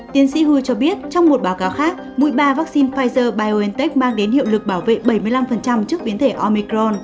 tiến sĩ hua cho biết trong một báo cáo khác mũi ba vaccine pfizer biontech mang đến hiệu lực bảo vệ bảy mươi năm trước biến thể omicron